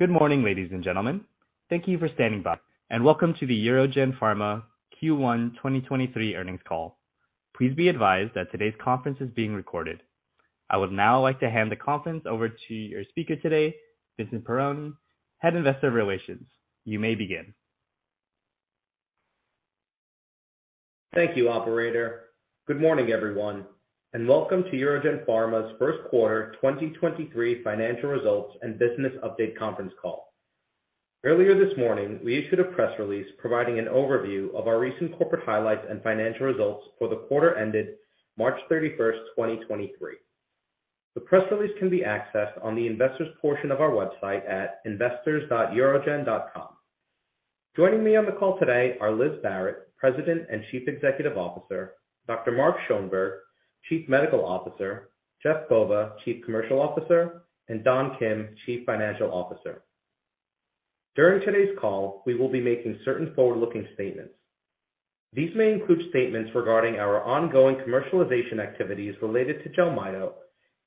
Good morning, ladies and gentlemen. Thank you for standing by and welcome to the UroGen Pharma Q1 2023 earnings call. Please be advised that today's conference is being recorded. I would now like to hand the conference over to your speaker today, Vincent Perrone, Head of Investor Relations. You may begin. Thank you, operator. Good morning, everyone. Welcome to UroGen Pharma's first quarter 2023 financial results and business update conference call. Earlier this morning, we issued a press release providing an overview of our recent corporate highlights and financial results for the quarter ended March 31, 2023. The press release can be accessed on the investors portion of our website at investors.urogen.com. Joining me on the call today are Liz Barrett, President and Chief Executive Officer, Dr. Mark Schoenberg, Chief Medical Officer, Jeff Bova, Chief Commercial Officer, and Don Kim, Chief Financial Officer. During today's call, we will be making certain forward-looking statements. These may include statements regarding our ongoing commercialization activities related to Jelmyto,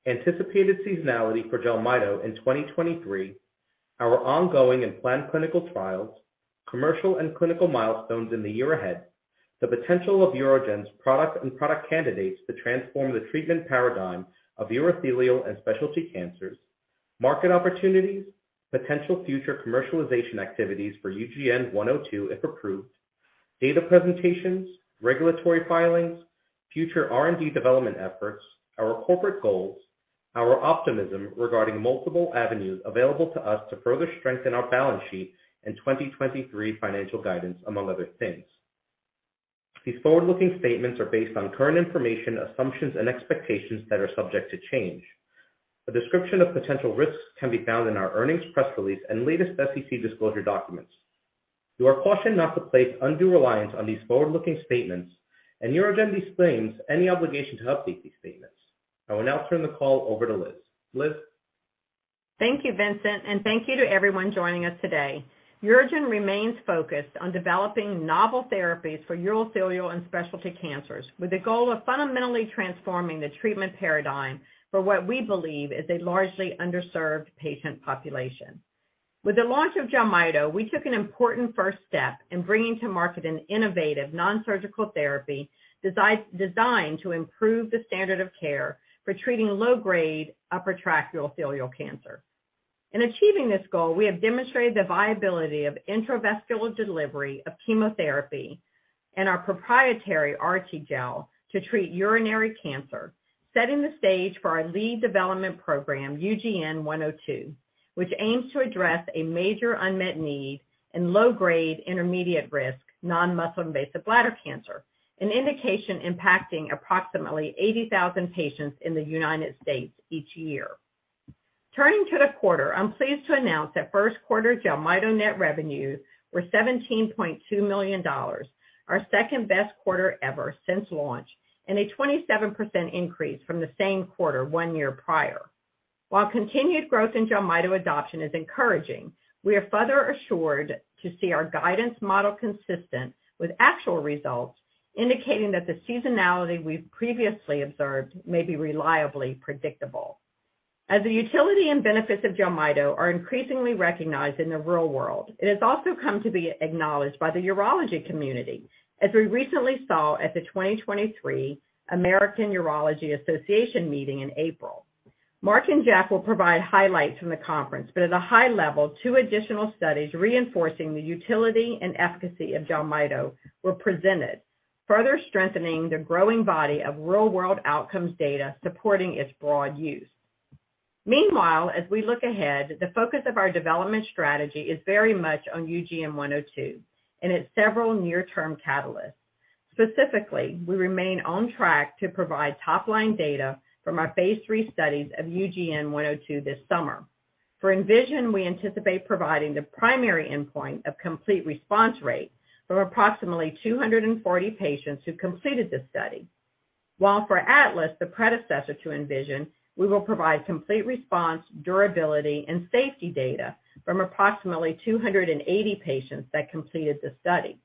anticipated seasonality for Jelmyto in 2023, our ongoing and planned clinical trials, commercial and clinical milestones in the year ahead, the potential of UroGen's product and product candidates to transform the treatment paradigm of urothelial and specialty cancers, market opportunities, potential future commercialization activities for UGN-102 if approved, data presentations, regulatory filings, future R&D development efforts, our corporate goals, our optimism regarding multiple avenues available to us to further strengthen our balance sheet and 2023 financial guidance, among other things. These forward-looking statements are based on current information, assumptions and expectations that are subject to change. A description of potential risks can be found in our earnings press release and latest SEC disclosure documents. You are cautioned not to place undue reliance on these forward-looking statements and UroGen disclaims any obligation to update these statements. I will now turn the call over to Liz. Liz? Thank you, Vincent, and thank you to everyone joining us today. UroGen remains focused on developing novel therapies for urothelial and specialty cancers with the goal of fundamentally transforming the treatment paradigm for what we believe is a largely underserved patient population. With the launch of Jelmyto, we took an important first step in bringing to market an innovative non-surgical therapy designed to improve the standard of care for treating low-grade upper tract urothelial cancer. In achieving this goal, we have demonstrated the viability of intravesical delivery of chemotherapy and our proprietary RTGel to treat urinary cancer, setting the stage for our lead development program, UGN-102, which aims to address a major unmet need in low-grade, intermediate-risk non-muscle invasive bladder cancer, an indication impacting approximately 80,000 patients in the United States each year. Turning to the quarter, I'm pleased to announce that first quarter Jelmyto net revenues were $17.2 million, our second-best quarter ever since launch and a 27% increase from the same quarter one year prior. While continued growth in Jelmyto adoption is encouraging, we are further assured to see our guidance model consistent with actual results, indicating that the seasonality we've previously observed may be reliably predictable. As the utility and benefits of Jelmyto are increasingly recognized in the real world, it has also come to be acknowledged by the urology community, as we recently saw at the 2023 American Urological Association meeting in April. Mark and Jack will provide highlights from the conference. At a high level, two additional studies reinforcing the utility and efficacy of Jelmyto were presented, further strengthening the growing body of real-world outcomes data supporting its broad use. As we look ahead, the focus of our development strategy is very much on UGN-102 and its several near-term catalysts. Specifically, we remain on track to provide top-line data from our phase III studies of UGN-102 this summer. For ENVISION, we anticipate providing the primary endpoint of complete response rate from approximately 240 patients who completed this study. For ATLAS, the predecessor to ENVISION, we will provide complete response, durability and safety data from approximately 280 patients that completed the study.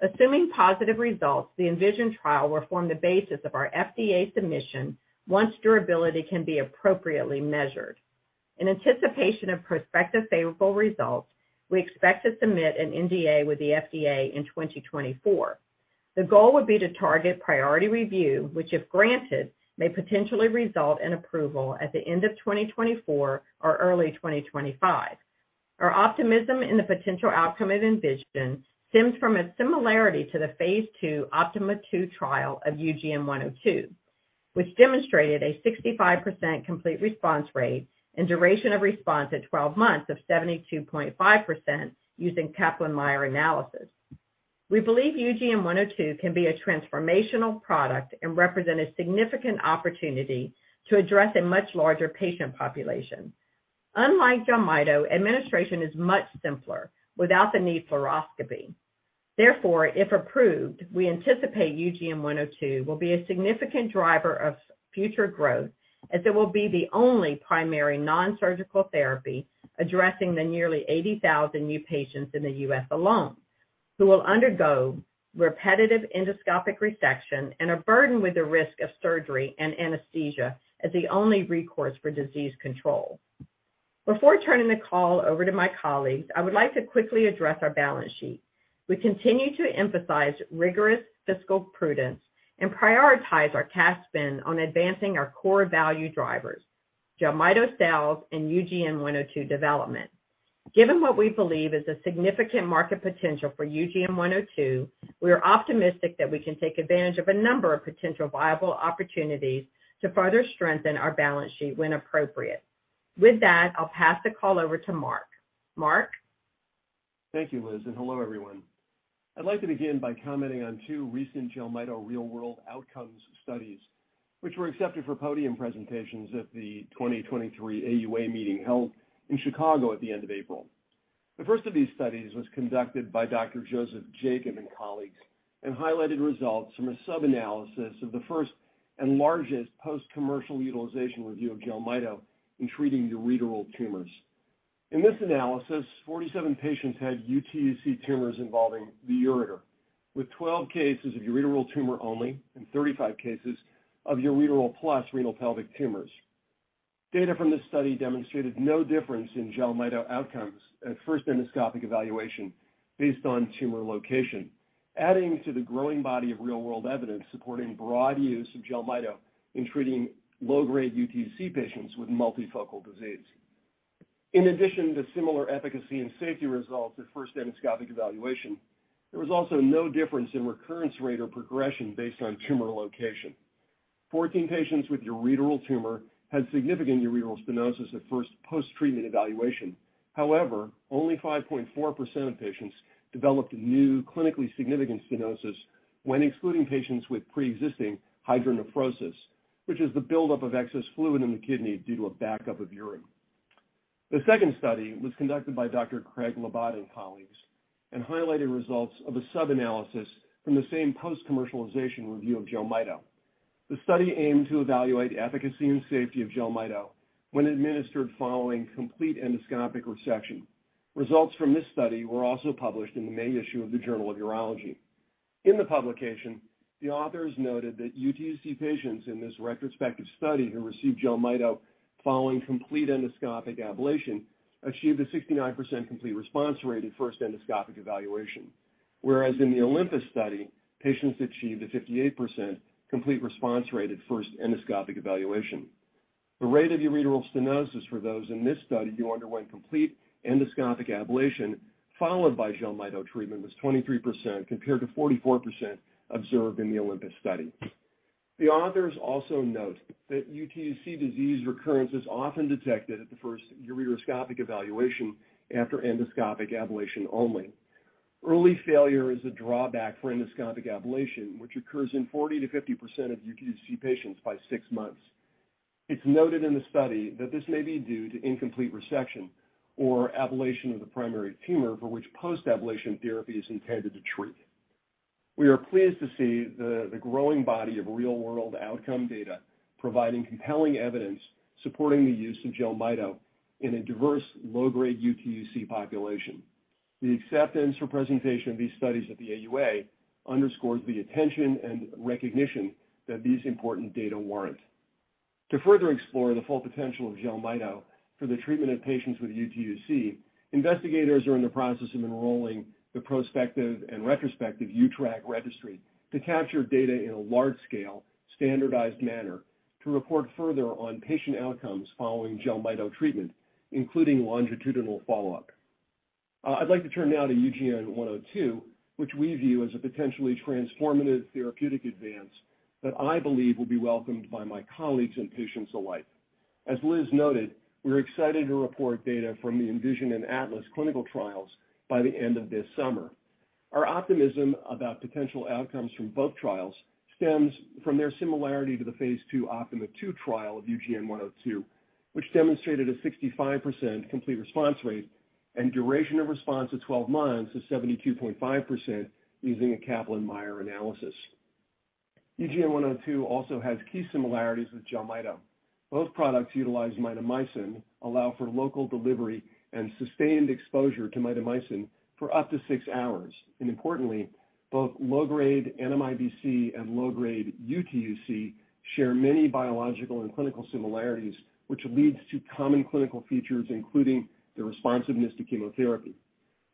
Assuming positive results, the ENVISION trial will form the basis of our FDA submission once durability can be appropriately measured. In anticipation of prospective favorable results, we expect to submit an NDA with the FDA in 2024. The goal would be to target priority review, which if granted, may potentially result in approval at the end of 2024 or early 2025. Our optimism in the potential outcome of ENVISION stems from its similarity to the phase II OPTIMA II trial of UGN-102, which demonstrated a 65% complete response rate and duration of response at 12 months of 72.5% using Kaplan-Meier analysis. We believe UGN-102 can be a transformational product and represent a significant opportunity to address a much larger patient population. Unlike Jelmyto, administration is much simpler without the need for oscopy. If approved, we anticipate UGN-102 will be a significant driver of future growth as it will be the only primary non-surgical therapy addressing the nearly 80,000 new patients in the U.S. alone, who will undergo repetitive endoscopic resection and are burdened with the risk of surgery and anesthesia as the only recourse for disease control. Before turning the call over to my colleagues, I would like to quickly address our balance sheet. We continue to emphasize rigorous fiscal prudence and prioritize our cash spend on advancing our core value drivers, Jelmyto sales and UGN-102 development. Given what we believe is a significant market potential for UGN-102, we are optimistic that we can take advantage of a number of potential viable opportunities to further strengthen our balance sheet when appropriate. I'll pass the call over to Mark. Mark? Thank you, Liz, and hello, everyone. I'd like to begin by commenting on 2 recent Jelmyto real-world outcomes studies, which were accepted for podium presentations at the 2023 AUA meeting held in Chicago at the end of April. The first of these studies was conducted by Dr. Joseph Jacob and colleagues and highlighted results from a subanalysis of the first and largest post-commercial utilization review of Jelmyto in treating ureteral tumors. In this analysis, 47 patients had UTUC tumors involving the ureter, with 12 cases of ureteral tumor only and 35 cases of ureteral plus renal pelvic tumors. Data from this study demonstrated no difference in Jelmyto outcomes at first endoscopic evaluation based on tumor location, adding to the growing body of real-world evidence supporting broad use of Jelmyto in treating low-grade UTUC patients with multifocal disease. In addition to similar efficacy and safety results at first endoscopic evaluation, there was also no difference in recurrence rate or progression based on tumor location. 14 patients with ureteral tumor had significant ureteral stenosis at first post-treatment evaluation. However, only 5.4% of patients developed new clinically significant stenosis when excluding patients with pre-existing hydronephrosis, which is the buildup of excess fluid in the kidney due to a backup of urine. The second study was conducted by Dr. Craig Labbate and colleagues and highlighted results of a subanalysis from the same post-commercialization review of Jelmyto. The study aimed to evaluate efficacy and safety of Jelmyto when administered following complete endoscopic resection. Results from this study were also published in the May issue of The Journal of Urology. In the publication, the authors noted that UTUC patients in this retrospective study who received Jelmyto following complete endoscopic ablation achieved a 69% complete response rate at first endoscopic evaluation. Whereas in the OLYMPUS study, patients achieved a 58% complete response rate at first endoscopic evaluation. The rate of ureteral stenosis for those in this study who underwent complete endoscopic ablation followed by Jelmyto treatment was 23% compared to 44% observed in the OLYMPUS study. The authors also note that UTUC disease recurrence is often detected at the first ureteroscopic evaluation after endoscopic ablation only. Early failure is a drawback for endoscopic ablation, which occurs in 40%-50% of UTUC patients by six months. It's noted in the study that this may be due to incomplete resection or ablation of the primary tumor for which post-ablation therapy is intended to treat. We are pleased to see the growing body of real-world outcome data providing compelling evidence supporting the use of Jelmyto in a diverse low-grade UTUC population. The acceptance for presentation of these studies at the AUA underscores the attention and recognition that these important data warrant. To further explore the full potential of Jelmyto for the treatment of patients with UTUC, investigators are in the process of enrolling the prospective and retrospective uTRACT Registry to capture data in a large-scale standardized manner to report further on patient outcomes following Jelmyto treatment, including longitudinal follow-up. I'd like to turn now to UGN-102, which we view as a potentially transformative therapeutic advance that I believe will be welcomed by my colleagues and patients alike. As Liz noted, we're excited to report data from the ENVISION and ATLAS clinical trials by the end of this summer. Our optimism about potential outcomes from both trials stems from their similarity to the phase II OPTIMA II trial of UGN-102, which demonstrated a 65% complete response rate and duration of response at 12 months to 72.5% using a Kaplan-Meier analysis. UGN-102 also has key similarities with Jelmyto. Both products utilize mitomycin, allow for local delivery, and sustained exposure to mitomycin for up to six hours. Importantly, both low-grade NMIBC and low-grade UTUC share many biological and clinical similarities, which leads to common clinical features, including the responsiveness to chemotherapy.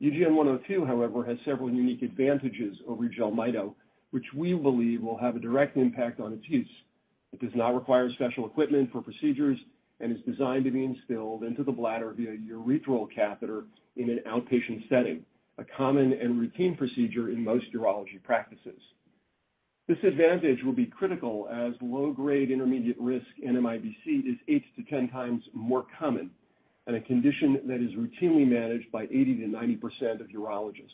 UGN-102, however, has several unique advantages over Jelmyto, which we believe will have a direct impact on its use. It does not require special equipment for procedures and is designed to be instilled into the bladder via urethral catheter in an outpatient setting, a common and routine procedure in most urology practices. This advantage will be critical as low-grade intermediate-risk NMIBC is eight to 10 times more common, and a condition that is routinely managed by 80%-90% of urologists,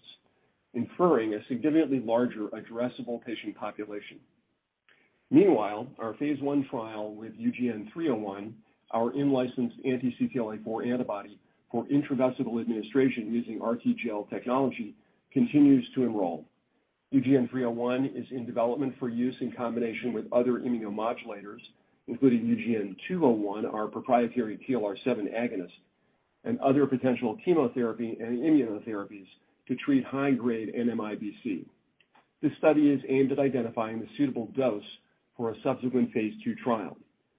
inferring a significantly larger addressable patient population. Meanwhile, our phase I trial with UGN-301, our in-licensed anti-CTLA-4 antibody for intravesical administration using RTGel technology, continues to enroll. UGN-301 is in development for use in combination with other immunomodulators, including UGN-201, our proprietary TLR7 agonist, and other potential chemotherapy and immunotherapies to treat high-grade MIBC. This study is aimed at identifying the suitable dose for a subsequent phase II trial.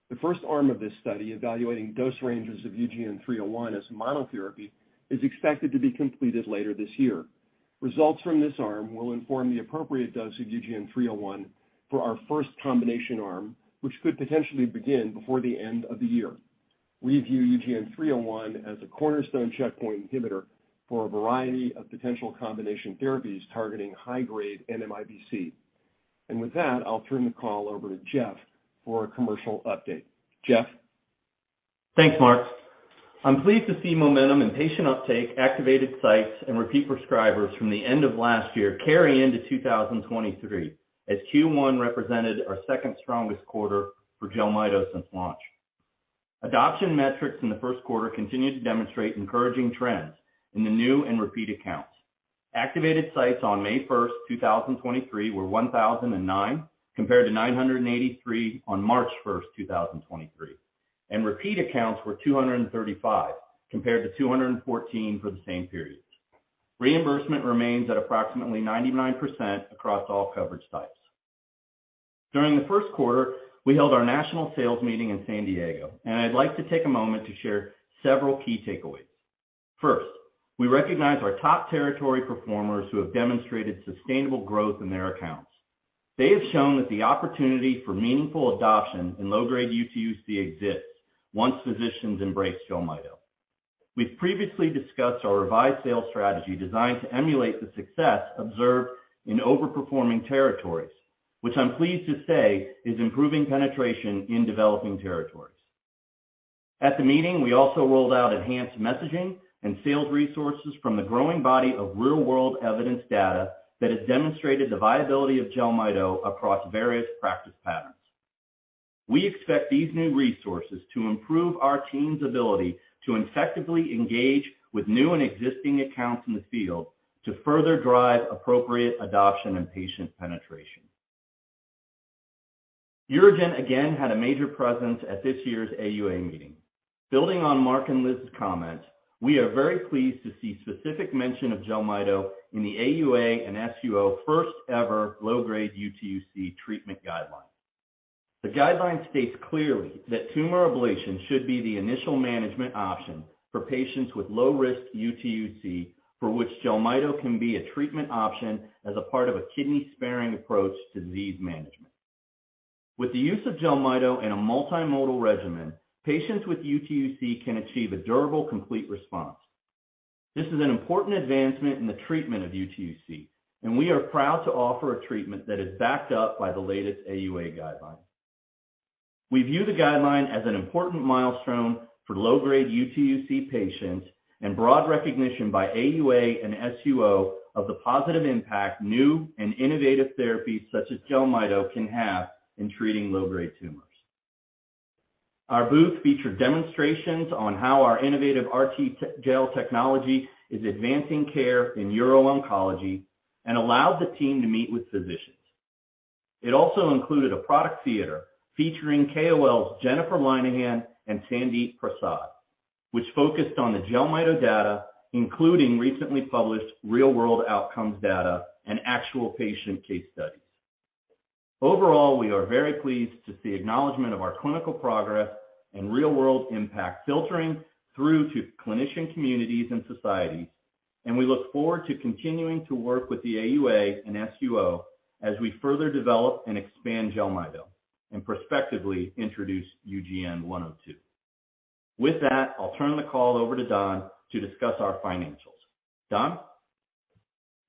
The first arm of this study, evaluating dose ranges of UGN-301 as monotherapy, is expected to be completed later this year. Results from this arm will inform the appropriate dose of UGN-301 for our first combination arm, which could potentially begin before the end of the year. We view UGN-301 as a cornerstone checkpoint inhibitor for a variety of potential combination therapies targeting high-grade MIBC. With that, I'll turn the call over to Jeff for a commercial update. Jeff? Thanks, Mark. I'm pleased to see momentum in patient uptake, activated sites, and repeat prescribers from the end of last year carry into 2023, as Q1 represented our second strongest quarter for Jelmyto since launch. Adoption metrics in the first quarter continued to demonstrate encouraging trends in the new and repeat accounts. Activated sites on May 1, 2023 were 1,009, compared to 983 on March 1, 2023, and repeat accounts were 235 compared to 214 for the same period. Reimbursement remains at approximately 99% across all coverage types. During the first quarter, we held our national sales meeting in San Diego. I'd like to take a moment to share several key takeaways. First, we recognize our top territory performers who have demonstrated sustainable growth in their accounts. They have shown that the opportunity for meaningful adoption in low-grade UTUC exists once physicians embrace Jelmyto. We've previously discussed our revised sales strategy designed to emulate the success observed in over-performing territories, which I'm pleased to say is improving penetration in developing territories. At the meeting, we also rolled out enhanced messaging and sales resources from the growing body of real-world evidence data that has demonstrated the viability of Jelmyto across various practice patterns. We expect these new resources to improve our team's ability to effectively engage with new and existing accounts in the field to further drive appropriate adoption and patient penetration. UroGen again had a major presence at this year's AUA meeting. Building on Mark and Liz's comment, we are very pleased to see specific mention of Jelmyto in the AUA and SUO first-ever low-grade UTUC treatment guideline. The guideline states clearly that tumor ablation should be the initial management option for patients with low risk UTUC, for which Jelmyto can be a treatment option as a part of a kidney-sparing approach to disease management. With the use of Jelmyto in a multimodal regimen, patients with UTUC can achieve a durable, complete response. This is an important advancement in the treatment of UTUC, and we are proud to offer a treatment that is backed up by the latest AUA guidelines. We view the guideline as an important milestone for low-grade UTUC patients and broad recognition by AUA and SUO of the positive impact new and innovative therapies such as Jelmyto can have in treating low-grade tumors. Our booth featured demonstrations on how our innovative RTGel technology is advancing care in uro-oncology and allowed the team to meet with physicians. It also included a product theater featuring KOLs Jennifer Linehan and Sandip Prasad, which focused on the Jelmyto data, including recently published real-world outcomes data and actual patient case studies. Overall, we are very pleased to see acknowledgment of our clinical progress and real-world impact filtering through to clinician communities and societies. We look forward to continuing to work with the AUA and SUO as we further develop and expand Jelmyto and prospectively introduce UGN-102. With that, I'll turn the call over to Don to discuss our financials. Don?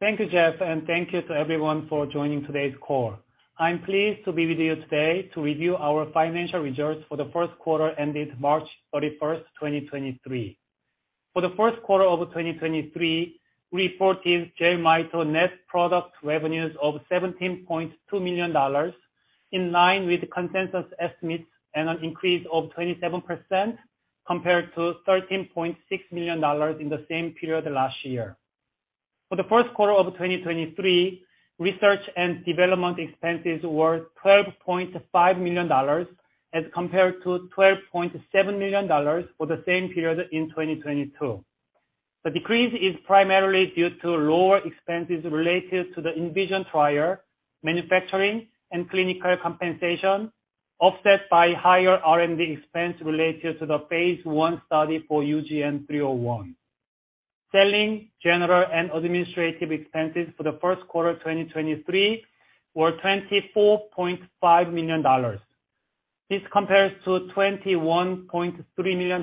Thank you, Jeff, thank you to everyone for joining today's call. I'm pleased to be with you today to review our financial results for the first quarter ended March 31st, 2023. For the first quarter of 2023, we reported Jelmyto net product revenues of $17.2 million, in line with consensus estimates and an increase of 27% compared to $13.6 million in the same period last year. For the first quarter of 2023, R&D expenses were $12.5 million as compared to $12.7 million for the same period in 2022. The decrease is primarily due to lower expenses related to the ENVISION trial, manufacturing, and clinical compensation, offset by higher R&D expense related to the phase I study for UGN-301. Selling, general, and administrative expenses for the first quarter 2023 were $24.5 million. This compares to $21.3 million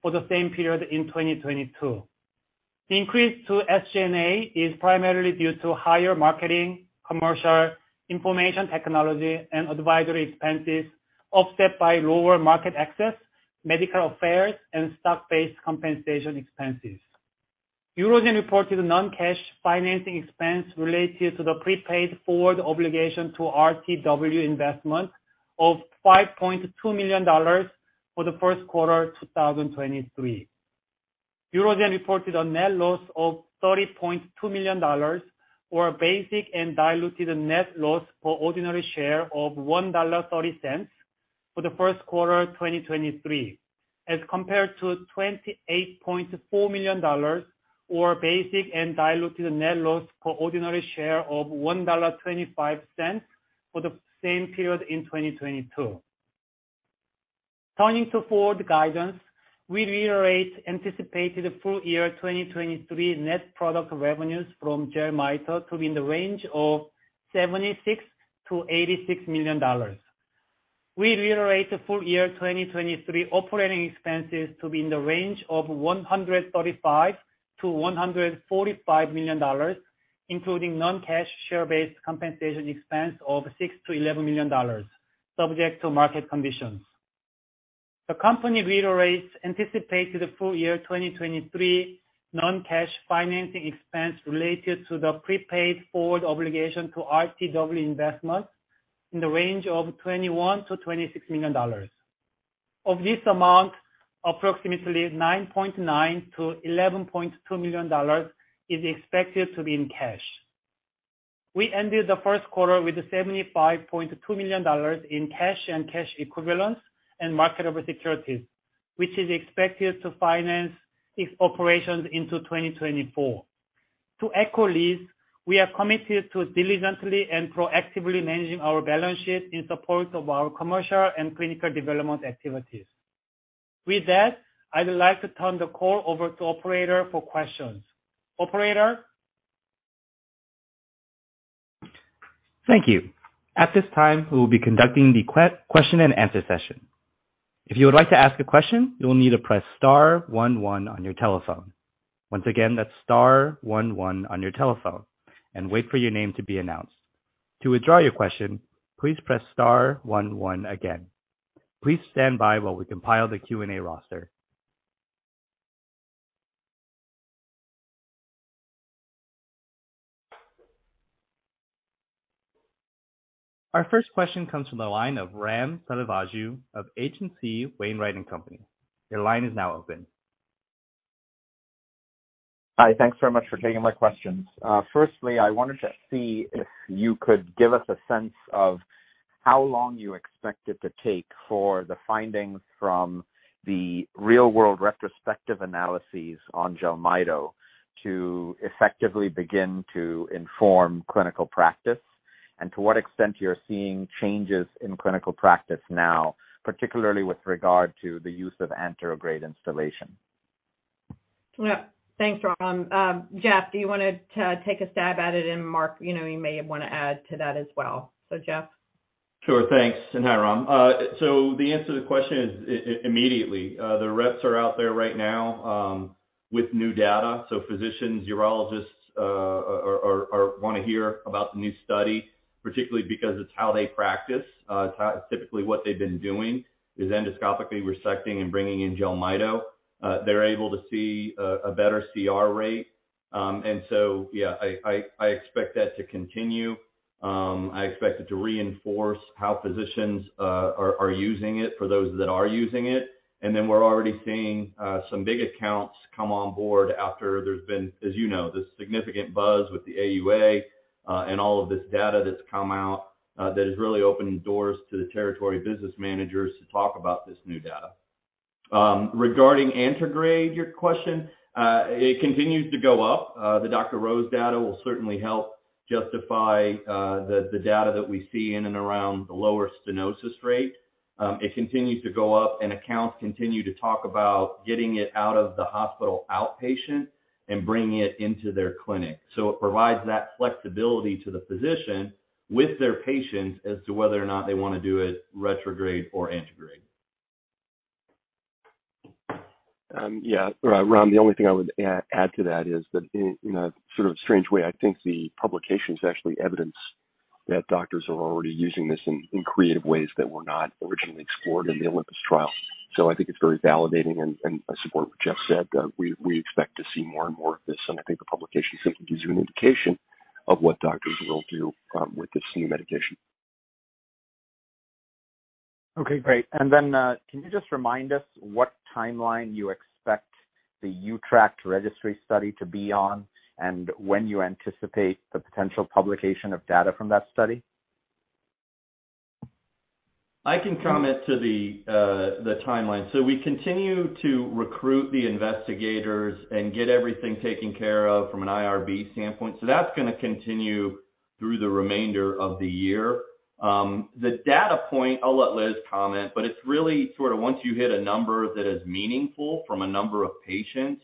for the same period in 2022. The increase to SG&A is primarily due to higher marketing, commercial, information technology, and advisory expenses, offset by lower market access, medical affairs, and stock-based compensation expenses. UroGen reported non-cash financing expense related to the prepaid forward obligation to RTW Investments of $5.2 million for the first quarter 2023. UroGen reported a net loss of $30.2 million, or a basic and diluted net loss per ordinary share of $1.30 for the first quarter 2023, as compared to $28.4 million or basic and diluted net loss per ordinary share of $1.25 for the same period in 2022. Turning to forward guidance, we reiterate anticipated full year 2023 net product revenues from Jelmyto to be in the range of $76 million-$86 million. We reiterate full year 2023 operating expenses to be in the range of $135 million-$145 million, including non-cash share-based compensation expense of $6 million-$11 million, subject to market conditions. The company reiterates anticipated full year 2023 non-cash financing expense related to the prepaid forward obligation to RTW Investments in the range of $21 million-$26 million. Of this amount, approximately $9.9 million-$11.2 million is expected to be in cash. We ended the first quarter with $75.2 million in cash and cash equivalents and marketable securities, which is expected to finance its operations into 2024. To echo Liz, we are committed to diligently and proactively managing our balance sheet in support of our commercial and clinical development activities. With that, I would like to turn the call over to operator for questions. Operator? Thank you. At this time, we will be conducting the question and answer session. If you would like to ask a question, you will need to press star one one on your telephone. Once again, that's star one one on your telephone and wait for your name to be announced. To withdraw your question, please press star one one again. Please stand by while we compile the Q&A roster. Our first question comes from the line of Ram Selvaraju of H.C. Wainwright & Co. Your line is now open. Hi, thanks very much for taking my questions. Firstly, I wanted to see if you could give us a sense of how long you expect it to take for the findings from the real-world retrospective analyses on Jelmyto to effectively begin to inform clinical practice, and to what extent you're seeing changes in clinical practice now, particularly with regard to the use of anterograde installation. Yeah. Thanks, Ram. Jeff, do you wanna, take a stab at it? Mark, you know, you may want to add to that as well. Jeff? Sure. Thanks. Hi, Ram. The answer to the question is immediately. The reps are out there right now with new data. Physicians, urologists wanna hear about the new study, particularly because it's how they practice. Typically, what they've been doing is endoscopically resecting and bringing in Jelmyto. They're able to see a better CR rate. Yeah, I expect that to continue. I expect it to reinforce how physicians are using it for those that are using it. We're already seeing some big accounts come on board after there's been, as you know, this significant buzz with the AUA, and all of this data that's come out that is really opening doors to the territory business managers to talk about this new data. Regarding antegrade, your question, it continues to go up. The Dr. Rose data will certainly help justify the data that we see in and around the lower stenosis rate. It continues to go up, and accounts continue to talk about getting it out of the hospital outpatient and bringing it into their clinic. It provides that flexibility to the physician with their patients as to whether or not they wanna do it retrograde or antegrade. Yeah. Ram, the only thing I would add to that is that in a sort of strange way, I think the publication is actually evidence that doctors are already using this in creative ways that were not originally explored in the OLYMPUS trial. I think it's very validating, and I support what Jeff said, we expect to see more and more of this, and I think the publication simply gives you an indication of what doctors will do with this new medication. Okay, great. Can you just remind us what timeline you expect the uTRACT registry study to be on, and when you anticipate the potential publication of data from that study? I can comment to the timeline. We continue to recruit the investigators and get everything taken care of from an IRB standpoint. That's gonna continue through the remainder of the year. The data point, I'll let Liz comment, but it's really sort of once you hit a number that is meaningful from a number of patients,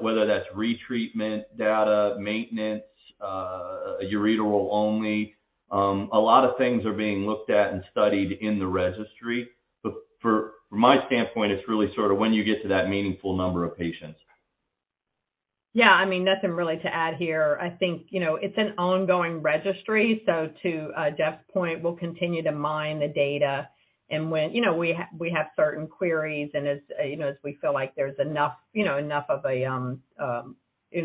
whether that's retreatment data, maintenance, urethral only, a lot of things are being looked at and studied in the registry. For my standpoint, it's really sort of when you get to that meaningful number of patients. Yeah, I mean, nothing really to add here. I think, you know, it's an ongoing registry, so to Jeff's point, we'll continue to mine the data. You know, we have certain queries and as, you know, as we feel like there's enough, you know, enough of a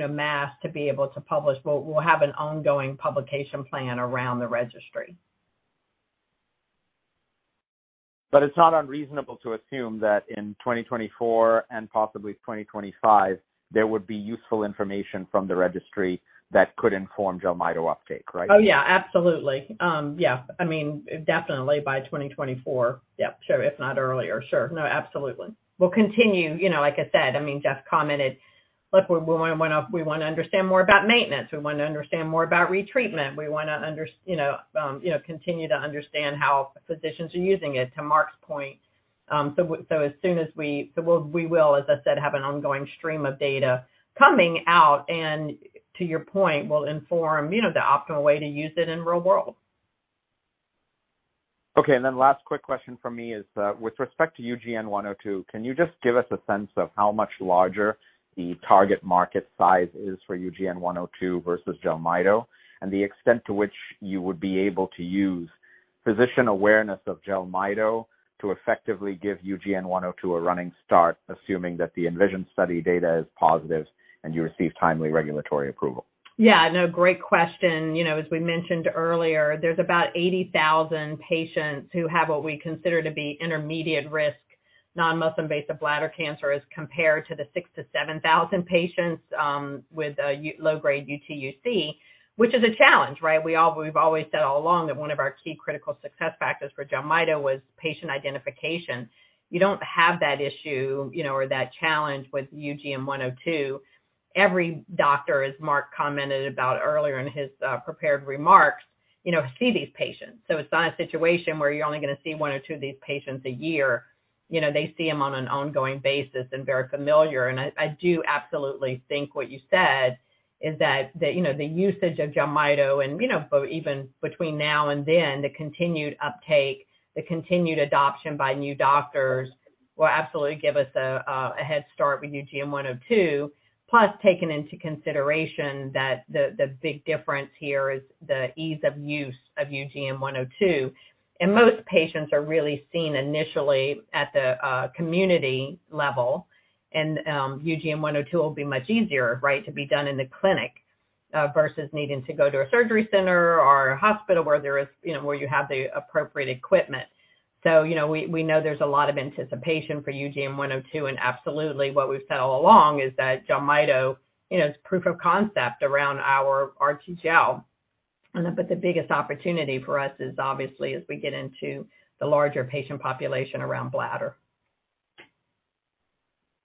mass to be able to publish, we'll have an ongoing publication plan around the registry. It's not unreasonable to assume that in 2024 and possibly 2025, there would be useful information from the registry that could inform Jelmyto uptake, right? Oh, yeah, absolutely. Yeah, I mean, definitely by 2024. Yeah, sure. If not earlier, sure. No, absolutely. We'll continue, you know, like I said, I mean, Jeff commented, look, we wanna understand more about maintenance. We wanna understand more about retreatment. We wanna understand, you know, continue to understand how physicians are using it, to Mark's point. We will, as I said, have an ongoing stream of data coming out, and to your point, will inform, you know, the optimal way to use it in real world. Okay. Last quick question from me is with respect to UGN-102, can you just give us a sense of how much larger the target market size is for UGN-102 versus Jelmyto, and the extent to which you would be able to use physician awareness of Jelmyto to effectively give UGN-102 a running start, assuming that the ENVISION study data is positive and you receive timely regulatory approval? No, great question. You know, as we mentioned earlier, there's about 80,000 patients who have what we consider to be intermediate risk non-muscle invasive bladder cancer as compared to the 6,000-7,000 patients with low-grade UTUC, which is a challenge, right? We've always said all along that one of our key critical success factors for Jelmyto was patient identification. You don't have that issue, you know, or that challenge with UGN-102. Every doctor, as Mark commented about earlier in his prepared remarks, you know, see these patients. It's not a situation where you're only gonna see one or two of these patients a year. You know, they see them on an ongoing basis and very familiar. I do absolutely think what you said is that, you know, the usage of Jelmyto and, you know, for even between now and then, the continued uptake, the continued adoption by new doctors will absolutely give us a, a head start with UGN-102, plus taking into consideration that the big difference here is the ease of use of UGN-102. Most patients are really seen initially at the community level, and UGN-102 will be much easier, right, to be done in the clinic versus needing to go to a surgery center or a hospital where there is, you know, where you have the appropriate equipment. You know, we know there's a lot of anticipation for UGN-102, and absolutely what we've said all along is that Jelmyto, you know, is proof of concept around our RTGel. The biggest opportunity for us is obviously as we get into the larger patient population around bladder.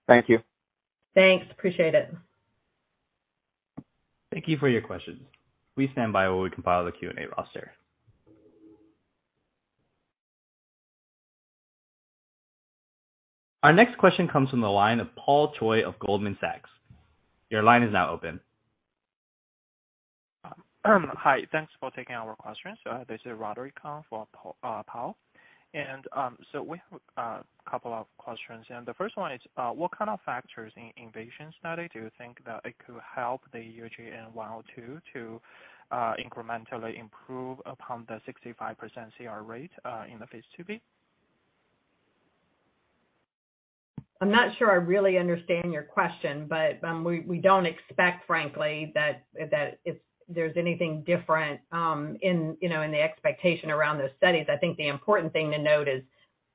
Thank you. Thanks. Appreciate it. Thank you for your questions. Please stand by while we compile the Q&A roster. Our next question comes from the line of Paul Choi of Goldman Sachs. Your line is now open. Hi. Thanks for taking our questions. This is Roderick Kang for Paul. We have a couple of questions. The first one is what kind of factors in ENVISION study do you think that it could help the UGN-102 to incrementally improve upon the 65% CR rate in the phase II-B? I'm not sure I really understand your question, but we don't expect, frankly, that there's anything different, in, you know, in the expectation around those studies. I think the important thing to note is,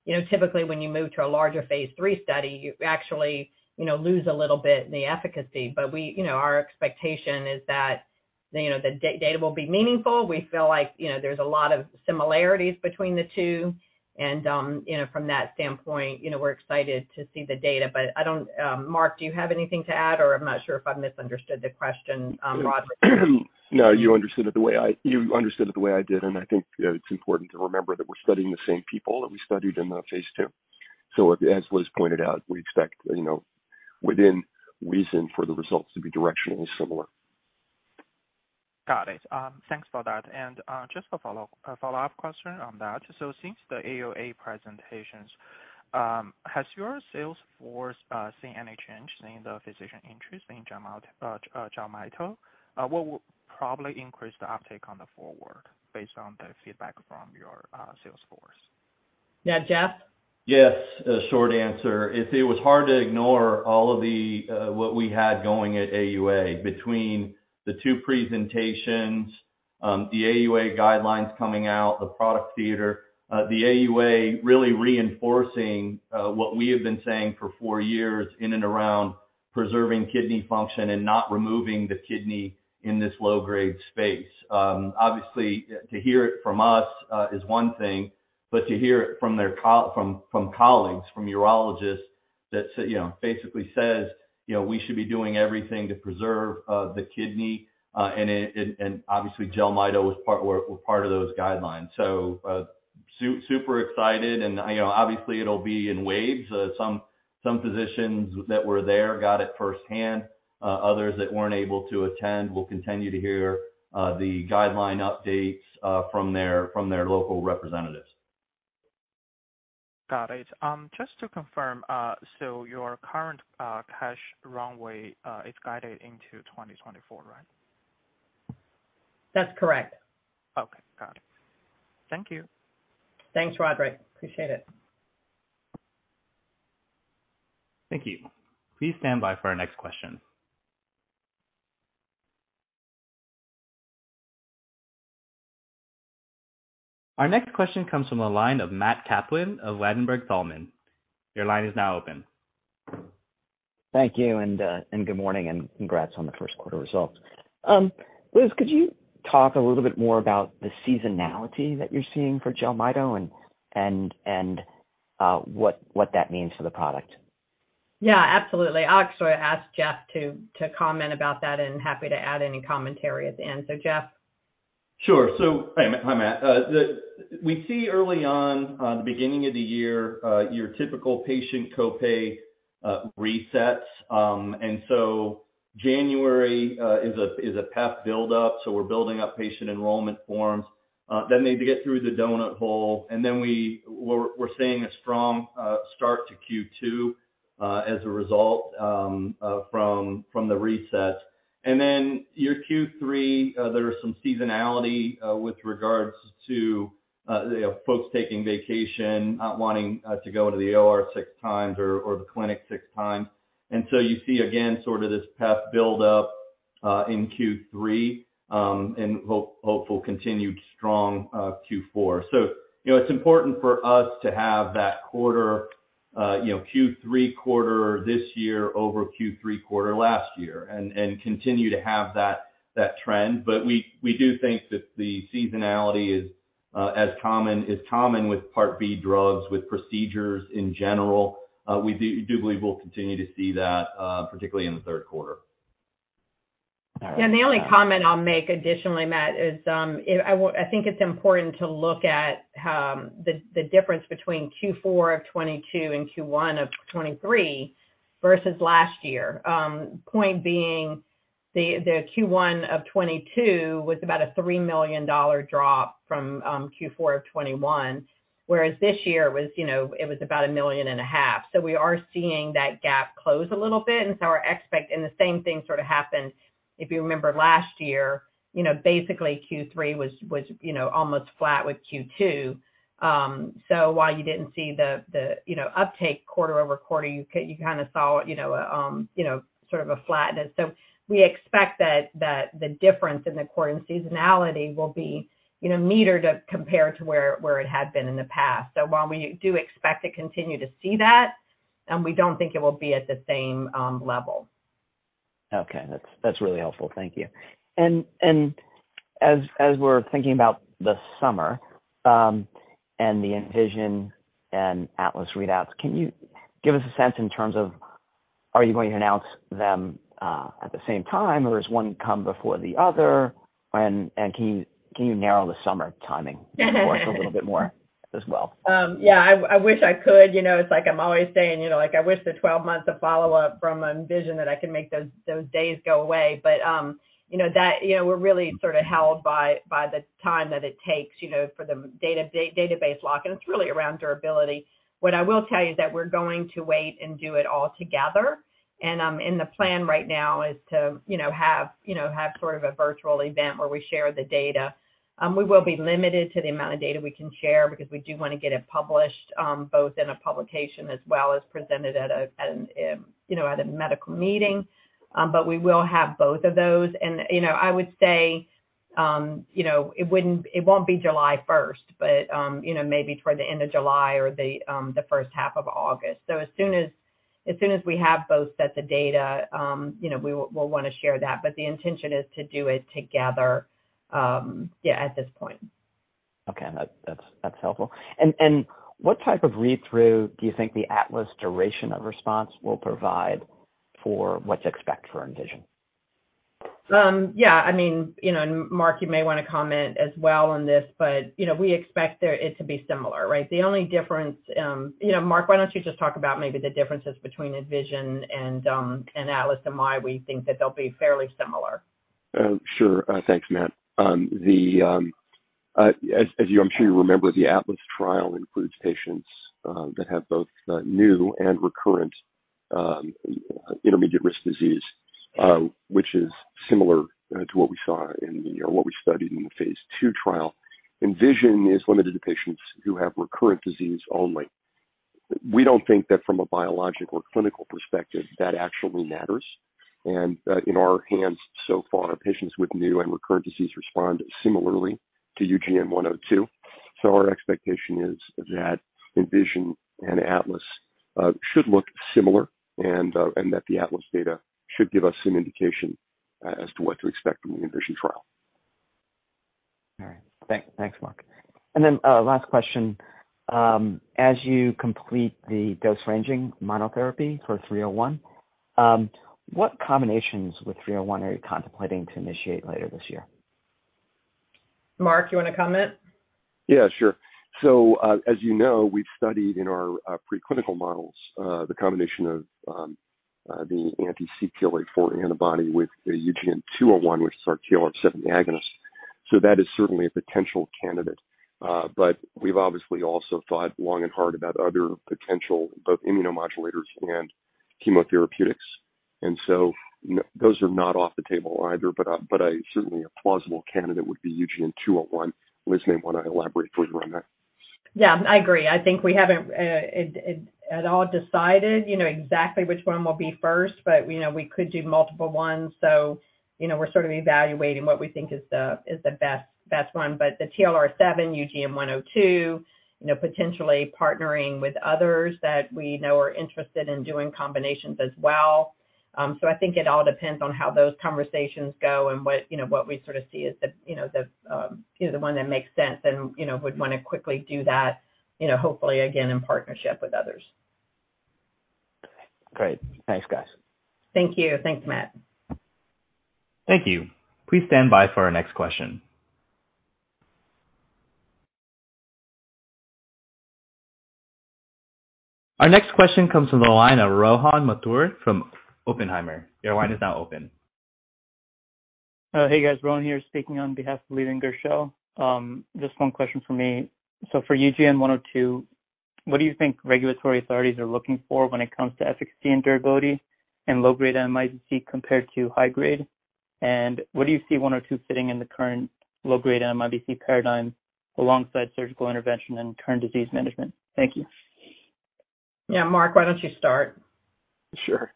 you know, typically when you move to a larger phase III study, you actually, you know, lose a little bit in the efficacy. You know, our expectation is that, you know, the data will be meaningful. We feel like, you know, there's a lot of similarities between the two. From that standpoint, you know, we're excited to see the data. I don't, Mark, do you have anything to add, or I'm not sure if I misunderstood the question, Roderick? You understood it the way I did, and I think that it's important to remember that we're studying the same people that we studied in the phase II. As Liz pointed out, we expect, you know, within reason for the results to be directionally similar. Got it. Thanks for that. Just a follow-up question on that. Since the AUA presentations, has your sales force seen any change in the physician interest in Jelmyto? What would probably increase the uptake on the forward based on the feedback from your sales force? Yeah. Jeff? Yes, a short answer. It was hard to ignore all of the what we had going at AUA between the two presentations, the AUA guidelines coming out, the product theater. The AUA really reinforcing what we have been saying for four years in and around preserving kidney function and not removing the kidney in this low-grade space. Obviously to hear it from us is one thing, but to hear it from their colleagues, from urologists that, you know, basically says, you know, we should be doing everything to preserve the kidney, and obviously, Jelmyto is part, we're part of those guidelines. Super excited and, you know, obviously it'll be in waves. Some physicians that were there got it firsthand. Others that weren't able to attend will continue to hear the guideline updates from their local representatives. Got it. Just to confirm, your current cash runway is guided into 2024, right? That's correct. Okay. Got it. Thank you. Thanks, Roderick. Appreciate it. Thank you. Please stand by for our next question. Our next question comes from the line of Matthew Kaplan of Ladenburg Thalmann. Your line is now open. Thank you. Good morning. Congrats on the first quarter results. Liz, could you talk a little bit more about the seasonality that you're seeing for Jelmyto and what that means for the product? Yeah, absolutely. I'll actually ask Jeff to comment about that and happy to add any commentary at the end. Jeff? Sure. Hi, Matt. We see early on the beginning of the year, your typical patient co-pay resets. January is a PEP buildup, so we're building up patient enrollment forms. Then they have to get through the donut hole, and then we're seeing a strong start to Q2 as a result from the reset. Your Q3, there is some seasonality with regards to, you know, folks taking vacation, not wanting to go to the OR six times or the clinic six times. You see, again, sort of this PEP buildup in Q3 and hopeful continued strong Q4. you know, it's important for us to have that quarter, you know, Q3 quarter this year over Q3 quarter last year and continue to have that trend. We do think that the seasonality is as common with Part B drugs, with procedures in general. We do believe we'll continue to see that, particularly in the third quarter. All right. The only comment I'll make additionally, Matthew Kaplan, is, I think it's important to look at the difference between Q4 of 2022 and Q1 of 2023 versus last year. Point being the Q1 of 2022 was about a $3 million drop from Q4 of 2021, whereas this year was, you know, it was about a $1.5 million. We are seeing that gap close a little bit, and the same thing sort of happened if you remember last year. You know, basically Q3 was, you know, almost flat with Q2. While you didn't see the, you know, uptake quarter over quarter, you kind of saw, you know, a, you know, sort of a flatness. We expect that the difference in the quarter and seasonality will be, you know, muted to compare to where it had been in the past. While we do expect to continue to see that, we don't think it will be at the same level. Okay. That's really helpful. Thank you. As we're thinking about the summer, and the ENVISION and ATLAS readouts, can you give us a sense in terms of are you going to announce them at the same time or does one come before the other? Can you narrow the summer timing for us a little bit more as well? Yeah. I wish I could. You know, it's like I'm always saying, you know, like I wish the 12 months of follow-up from ENVISION that I can make those days go away. You know, that, you know, we're really sort of held by the time that it takes, you know, for the database lock, and it's really around durability. What I will tell you is that we're going to wait and do it all together, and the plan right now is to, you know, have, you know, have sort of a virtual event where we share the data. We will be limited to the amount of data we can share because we do wanna get it published, both in a publication as well as presented at a medical meeting. We will have both of those. You know, I would say, you know, it won't be July 1st, maybe toward the end of July or the 1st half of August. As soon as we have both sets of data, you know, we will wanna share that. The intention is to do it together, yeah, at this point. Okay. That's helpful. What type of read-through do you think the ATLAS duration of response will provide for what to expect for ENVISION? Yeah, I mean, you know, and Mark, you may wanna comment as well on this. You know, we expect it to be similar, right? The only difference. You know, Mark, why don't you just talk about maybe the differences between ENVISION and ATLAS and why we think that they'll be fairly similar. Sure. Thanks, Matt. As you I'm sure remember, the ATLAS trial includes patients that have both new and recurrent intermediate risk disease, which is similar to what we saw or what we studied in the phase II trial. ENVISION is limited to patients who have recurrent disease only. We don't think that from a biological or clinical perspective that actually matters. In our hands so far, patients with new and recurrent disease respond similarly to UGN-102. Our expectation is that ENVISION and ATLAS should look similar and that the ATLAS data should give us some indication as to what to expect from the ENVISION trial. All right. Thanks, Mark. Last question. As you complete the dose ranging monotherapy for UGN-301, what combinations with UGN-301 are you contemplating to initiate later this year? Mark, you wanna comment? Yeah, sure. As you know, we've studied in our preclinical models, the combination of the anti-CTLA-4 antibody with the UGN-201, which is our TLR7 agonist. That is certainly a potential candidate. We've obviously also thought long and hard about other potential, both immunomodulators and chemotherapeutics. Those are not off the table either, but a certainly plausible candidate would be UGN-201. Liz may wanna elaborate further on that. Yeah, I agree. I think we haven't at all decided, you know, exactly which one will be first, but, you know, we could do multiple ones. You know, we're sort of evaluating what we think is the best one. The TLR7 UGN-102, you know, potentially partnering with others that we know are interested in doing combinations as well. I think it all depends on how those conversations go and what, you know, what we sort of see as the one that makes sense and, you know, would wanna quickly do that, you know, hopefully again in partnership with others. Great. Thanks, guys. Thank you. Thanks, Matt. Thank you. Please stand by for our next question. Our next question comes from the line of Rohan Mathur from Oppenheimer. Your line is now open. Hey, guys. Rohan here, speaking on behalf of Leland Gershell. Just one question from me. For UGN-102, what do you think regulatory authorities are looking for when it comes to efficacy and durability in low-grade MIBC compared to high-grade? Where do you see 102 fitting in the current low-grade MIBC paradigm alongside surgical intervention and current disease management? Thank you. Yeah. Mark, why don't you start? Sure.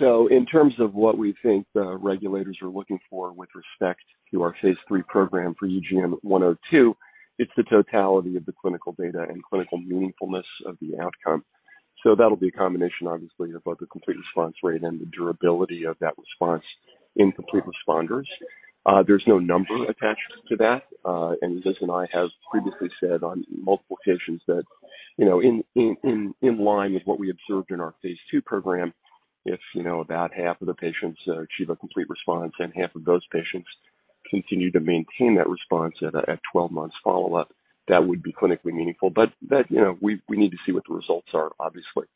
In terms of what we think the regulators are looking for with respect to our phase III program for UGN-102, it's the totality of the clinical data and clinical meaningfulness of the outcome. That'll be a combination, obviously, of both the complete response rate and the durability of that response in complete responders. There's no number attached to that. Liz and I have previously said on multiple occasions that, you know, in line with what we observed in our phase II program, if, you know, about half of the patients achieve a complete response and half of those patients continue to maintain that response at 12 months follow-up, that would be clinically meaningful. That, you know, we need to see what the results are, obviously.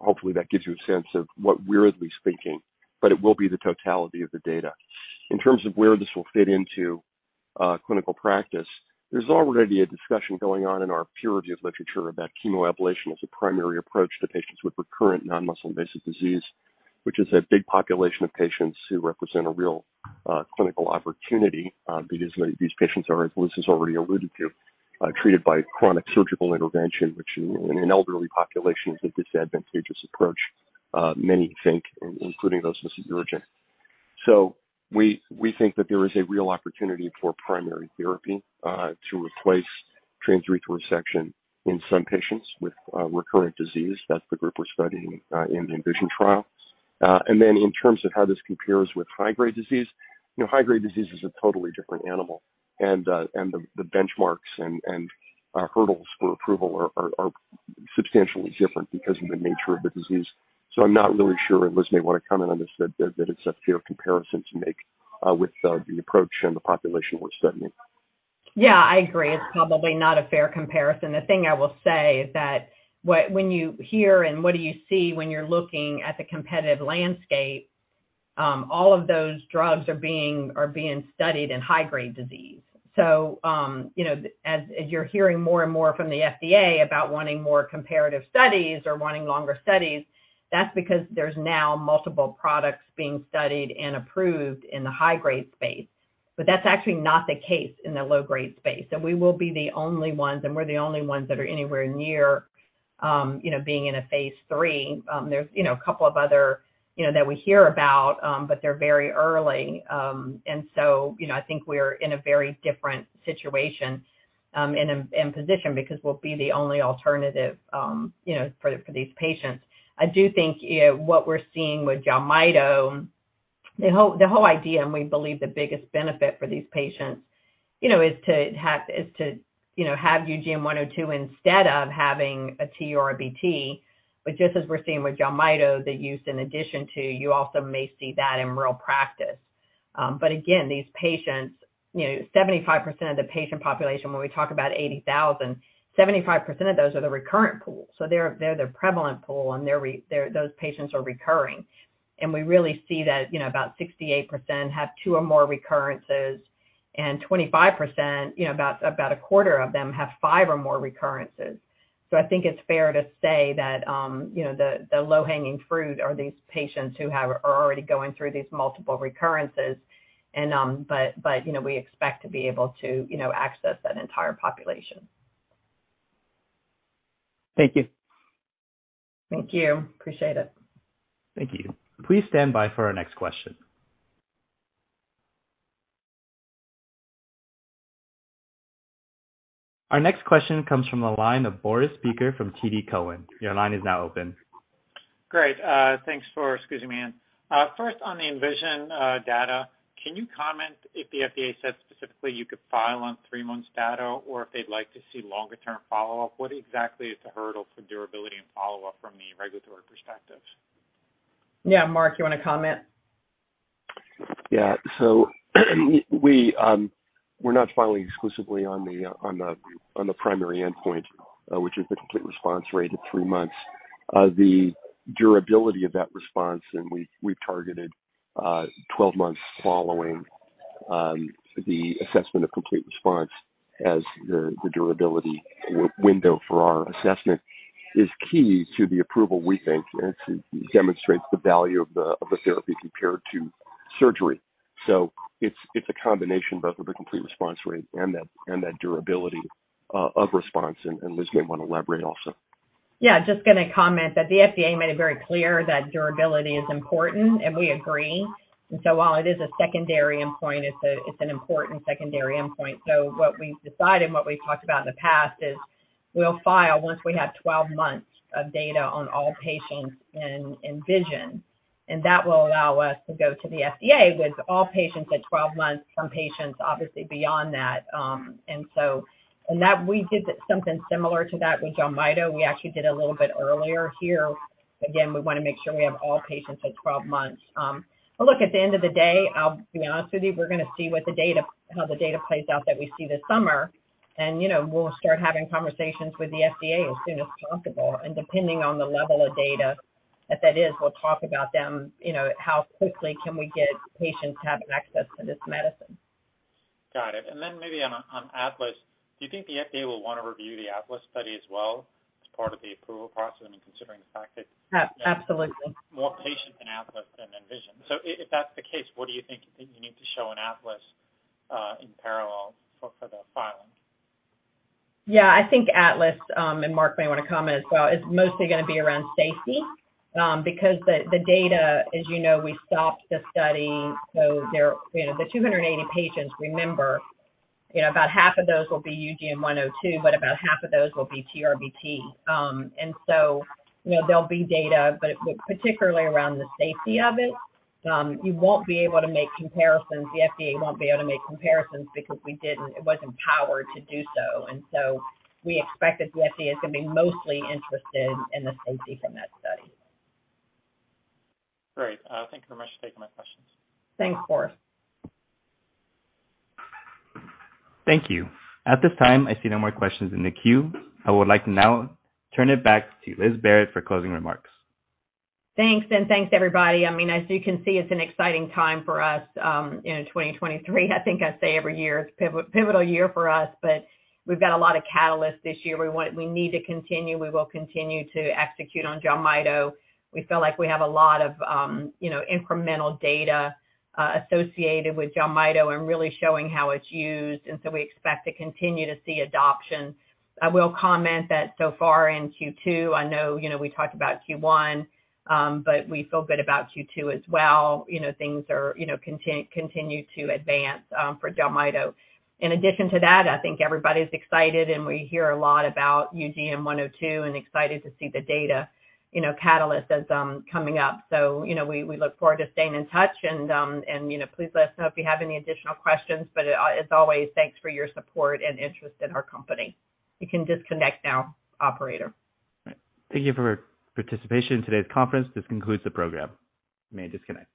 Hopefully that gives you a sense of what we're at least thinking, but it will be the totality of the data. In terms of where this will fit into clinical practice, there's already a discussion going on in our peer review literature about chemoablation as a primary approach to patients with recurrent non-muscle invasive disease, which is a big population of patients who represent a real clinical opportunity, because these patients are, as Liz has already alluded to, treated by chronic surgical intervention, which in elderly populations is a disadvantageous approach, many think, including those who urologic. We think that there is a real opportunity for primary therapy to replace transurethral resection in some patients with recurrent disease. That's the group we're studying in the ENVISION trial. Then in terms of how this compares with high-grade disease, you know, high-grade disease is a totally different animal. The benchmarks and hurdles for approval are substantially different because of the nature of the disease. I'm not really sure, and Liz may wanna comment on this, that it's a fair comparison to make with the approach and the population we're studying. Yeah, I agree. It's probably not a fair comparison. The thing I will say is that when you hear and what do you see when you're looking at the competitive landscape, all of those drugs are being studied in high-grade disease. You know, as you're hearing more and more from the FDA about wanting more comparative studies or wanting longer studies, that's because there's now multiple products being studied and approved in the high-grade space. That's actually not the case in the low-grade space. We will be the only ones, and we're the only ones that are anywhere near, you know, being in a phase III. There's, you know, a couple of other, you know, that we hear about, but they're very early. You know, I think we're in a very different situation, and a, and position because we'll be the only alternative, you know, for these patients. I do think, you know, what we're seeing with Jelmyto, the whole idea, and we believe the biggest benefit for these patients, you know, is to, you know, have UGN-102 instead of having a TURBT. Just as we're seeing with Jelmyto, the use in addition to, you also may see that in real practice. These patients, you know, 75% of the patient population, when we talk about 80,000, 75% of those are the recurrent pool, so they're the prevalent pool, and they're, those patients are recurring. We really see that, you know, about 68% have two or more recurrences, and 25%, you know, a quarter of them have five or more recurrences. I think it's fair to say that, you know, the low-hanging fruit are these patients who are already going through these multiple recurrences and, you know, we expect to be able to, you know, access that entire population. Thank you. Thank you. Appreciate it. Thank you. Please stand by for our next question. Our next question comes from the line of Boris Peaker from TD Cowen. Your line is now open. Great. thanks for squeezing me in. first on the ENVISION data, can you comment if the FDA said specifically you could file on three months data or if they'd like to see longer term follow-up? What exactly is the hurdle for durability and follow-up from the regulatory perspectives? Yeah. Mark, you wanna comment? Yeah. We're not filing exclusively on the primary endpoint, which is the complete response rate at three months. The durability of that response, and we've targeted 12 months following the assessment of complete response as the durability window for our assessment, is key to the approval we think, and to demonstrate the value of the therapy compared to surgery. It's a combination both of the complete response rate and that durability of response. Liz may wanna elaborate also. Yeah, just gonna comment that the FDA made it very clear that durability is important. We agree. While it is a secondary endpoint, it's an important secondary endpoint. What we've talked about in the past is we'll file once we have 12 months of data on all patients in ENVISION. That will allow us to go to the FDA with all patients at 12 months, some patients obviously beyond that. That we did something similar to that with Jelmyto. We actually did a little bit earlier here. Again, we wanna make sure we have all patients at 12 months. Look, at the end of the day, I'll be honest with you, we're gonna see how the data plays out that we see this summer. You know, we'll start having conversations with the FDA as soon as possible. Depending on the level of data that that is, we'll talk about them, you know, how quickly can we get patients to have access to this medicine. Got it. Then maybe on ATLAS. Do you think the FDA will wanna review the ATLAS study as well as part of the approval process and considering the fact that- Ab-absolutely... more patients in ATLAS than in ENVISION. If that's the case, what do you think you need to show in ATLAS in parallel for the filing? Yeah. I think ATLAS, and Mark may wanna comment as well, is mostly gonna be around safety. Because the data, as you know, we stopped the study, there, you know, the 280 patients, remember, you know, about half of those will be UGN-102, but about half of those will be TURBT. You know, there'll be data, particularly around the safety of it. You won't be able to make comparisons. The FDA won't be able to make comparisons because it wasn't powered to do so. We expect that the FDA is gonna be mostly interested in the safety from that study. Great. Thank you very much for taking my questions. Thanks, Boris. Thank you. At this time, I see no more questions in the queue. I would like to now turn it back to Liz Barrett for closing remarks. Thanks, thanks everybody. I mean, as you can see, it's an exciting time for us in 2023. I think I say every year it's a pivotal year for us. We've got a lot of catalysts this year. We need to continue, we will continue to execute on Jelmyto. We feel like we have a lot of, you know, incremental data associated with Jelmyto and really showing how it's used. We expect to continue to see adoption. I will comment that so far in Q2, I know, you know, we talked about Q1. We feel good about Q2 as well. You know, things are, you know, continue to advance for Jelmyto. In addition to that, I think everybody's excited, and we hear a lot about UGN-102 and excited to see the data, you know, catalyst as coming up. You know, we look forward to staying in touch and, you know, please let us know if you have any additional questions. As always, thanks for your support and interest in our company. You can disconnect now, Operator. Thank you for participation in today's conference. This concludes the program. You may disconnect.